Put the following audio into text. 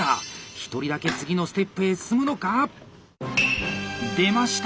１人だけ次のステップへ進むのか⁉出ました！